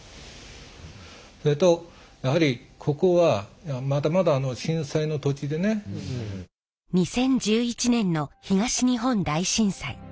それとやはりここは２０１１年の東日本大震災。